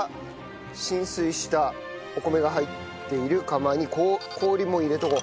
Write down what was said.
浸水したお米が入っている釜に氷も入れておこう。